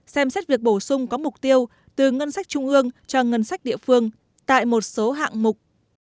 xem xét việc bổ sung có mục tiêu từ ngân sách trung ương cho ngân sách địa phương tại một số hạng mục